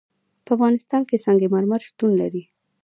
په افغانستان کې سنگ مرمر شتون لري.